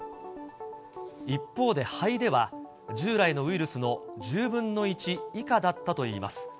一方で肺では、従来のウイルスの１０分の１以下だったといいます。